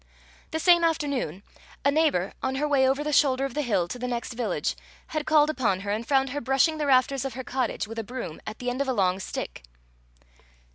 The same afternoon, a neighbour, on her way over the shoulder of the hill to the next village, had called upon her and found her brushing the rafters of her cottage with a broom at the end of a long stick.